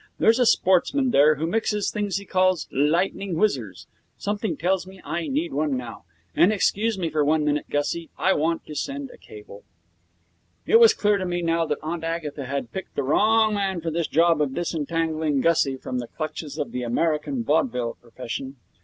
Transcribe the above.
'There's a sportsman there who mixes things he calls "lightning whizzers". Something tells me I need one now. And excuse me for one minute, Gussie. I want to send a cable.' It was clear to me by now that Aunt Agatha had picked the wrong man for this job of disentangling Gussie from the clutches of the American vaudeville profession.